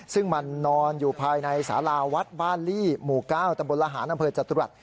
ซึ่งมันนอนอยู่ภายในสาลาวัดบาลีหมู่ก้าวตำบลลหานักเผยจตุรัส